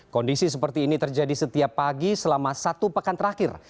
kondisi seperti ini terjadi setiap pagi selama satu pekan terakhir